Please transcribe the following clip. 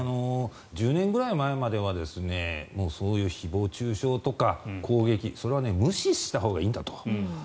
１０年くらい前まではそういう誹謗・中傷とか攻撃それは無視したほうがいいんだと。